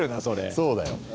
そうだよ